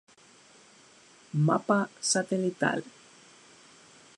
Mapa Satelital